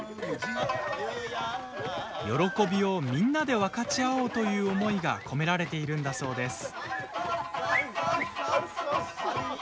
喜びをみんなで分かち合おうという思いが込められているんだそうです。